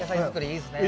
いいですね。